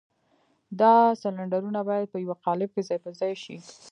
دا سلنډرونه بايد په يوه قالب کې ځای پر ځای شي.